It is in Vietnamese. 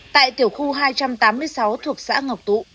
tại tiểu khu hai trăm tám mươi sáu thuộc xã ngọc tụ